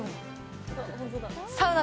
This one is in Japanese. サウナ。